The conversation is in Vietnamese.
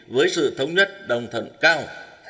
với sự thống nhất đồng thận cao